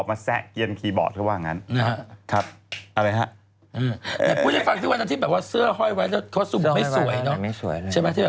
กิเทียมสังอะไรแบบนี้น่ะ